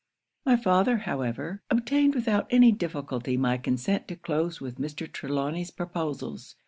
My father, however, obtained without any difficulty my consent to close with Mr. Trelawny's proposals.